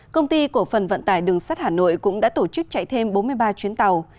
công ty cổ phần vận tải đường sắt hà nội cũng đã tổ chức chạy thêm bốn mươi ba chuyến tàu